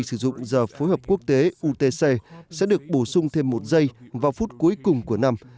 sử dụng giờ phối hợp quốc tế utc sẽ được bổ sung thêm một giây vào phút cuối cùng của năm